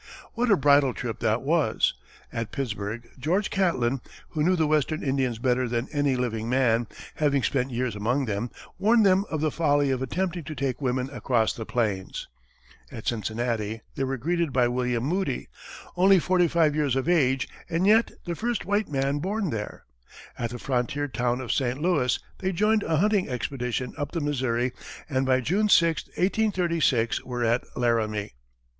What a bridal trip that was! At Pittsburg, George Catlin, who knew the western Indians better than any living man, having spent years among them, warned them of the folly of attempting to take women across the plains; at Cincinnati, they were greeted by William Moody, only forty five years of age and yet the first white man born there; at the frontier town of St. Louis, they joined a hunting expedition up the Missouri, and by June 6, 1836, were at Laramie.